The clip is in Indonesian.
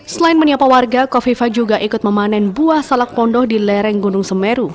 selain menyapa warga kofifa juga ikut memanen buah salak pondok di lereng gunung semeru